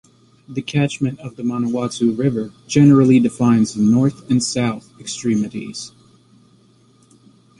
The catchment of the Manawatu River generally defines the north and south extremities.